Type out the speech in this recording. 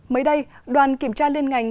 mới đây đoàn kiểm tra liên ngành